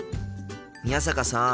宮坂さん。